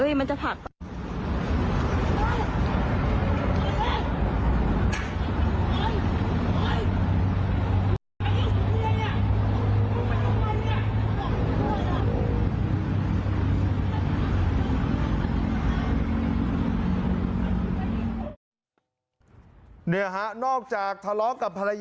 เนี่ยฮะนอกจากทะเลาะกับผู้ชายเนี่ยฮะนอกจากทะเลาะกับผู้ชาย